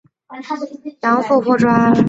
杨素颇专。